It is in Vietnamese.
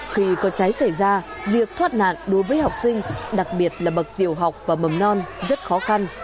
khi có cháy xảy ra việc thoát nạn đối với học sinh đặc biệt là bậc tiểu học và mầm non rất khó khăn